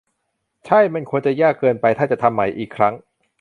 ใช่ มันควรจะยากเกินไปถ้าจะทำใหม่อีกครั้ง